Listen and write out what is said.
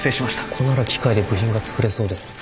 ここなら機械で部品が作れそう